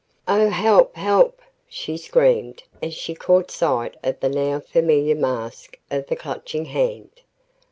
"Oh help! help!" she screamed as she caught sight of the now familiar mask of the Clutching Hand.